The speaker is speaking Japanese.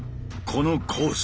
このコース